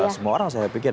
semua orang saya pikir